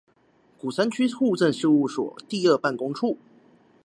鼓山區戶政事務所第二辦公處